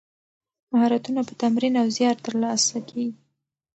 مهارتونه په تمرین او زیار ترلاسه کیږي.